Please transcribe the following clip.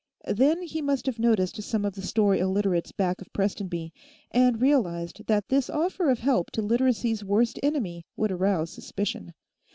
Then he must have noticed some of the store Illiterates back of Prestonby, and realized that this offer of help to Literacy's worst enemy would arouse suspicion.